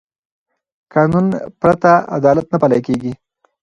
قانون پرته عدالت نه پلي کېږي